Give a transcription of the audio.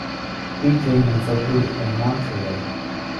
He came and settled in Montreal.